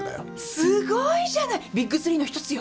すごいじゃない！ビッグ３の１つよ！